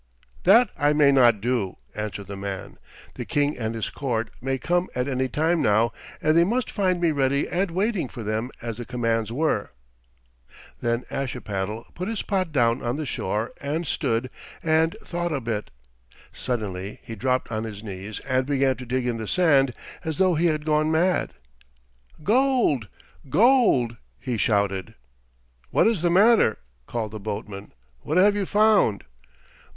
"That I may not do," answered the man. "The King and his court may come at any time now, and they must find me ready and waiting for them as the commands were." Then Ashipattle put his pot down on the shore and stood and thought a bit. Suddenly he dropped on his knees and began to dig in the sand as though he had gone mad. "Gold! Gold!" he shouted. "What is the matter?" called the boatman. "What have you found?"